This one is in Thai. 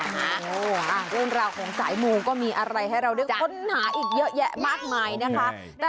โอ้โหเรื่องราวของสายมูก็มีอะไรให้เราได้ค้นหาอีกเยอะแยะมากมายนะคะ